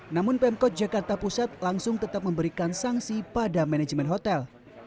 namun pemkot jakarta pusat langsung tetap memberikan sanksi pada manajemen hotel